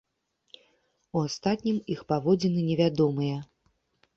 У астатнім іх паводзіны невядомыя.